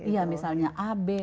ya misalnya ab